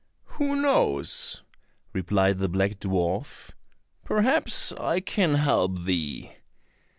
"Who knows?" replied the black dwarf. "Perhaps, I can help thee."